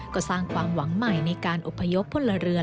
ก็สร้างความหวังใหม่ในการอบพยพพลเรือน